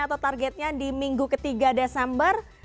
atau targetnya di minggu ketiga desember